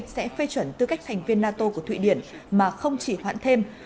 sẽ phê chuẩn tư cách thành viên nato của thụy điển mà không chỉ hoãn thêm